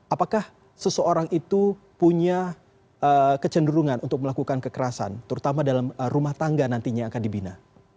apakah seseorang itu punya kecenderungan untuk melakukan kekerasan terutama dalam rumah tangga nantinya akan dibina